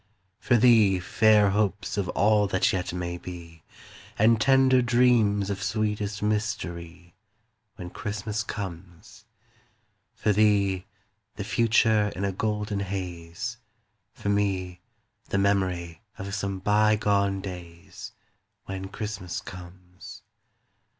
For thee, fair hopes of all that yet may be, And tender dreams of sweetest mystery, When Christmas comes. For thee, the future in a golden haze, For me, the memory of some bygone days, When Christmas comes.